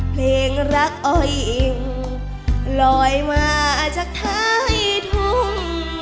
เพลงรักอ้อยอิ่งลอยมาจากท้ายทุ่ง